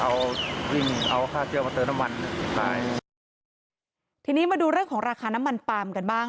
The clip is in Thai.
เอาวิ่งเอาค่าเที่ยวมาเติมน้ำมันตายทีนี้มาดูเรื่องของราคาน้ำมันปาล์มกันบ้าง